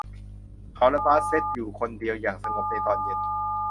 เขาและบาสเซ็ทอยู่คนเดียวอย่างสงบในตอนเย็น